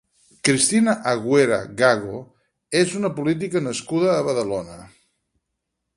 Cristina Agüera Gago és una política nascuda a Badalona.